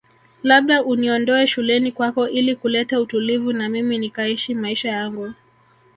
Labda uniondoe shuleni kwako ili kuleta utulivu na mimi nikaishi maisha yangu